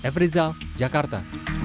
f rizal jakarta